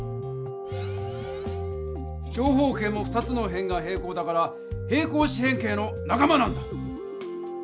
長方形も２つの辺が平行だから平行四辺形のなか間なんだ！